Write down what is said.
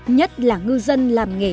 nhất là ngư dân làm nghề